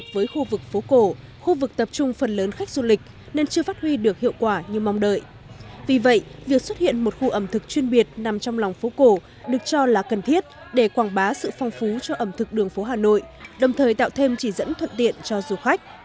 trước xuất hiện một khu ẩm thực chuyên biệt nằm trong lòng phố cổ được cho là cần thiết để quảng bá sự phong phú cho ẩm thực đường phố hà nội đồng thời tạo thêm chỉ dẫn thuận điện cho du khách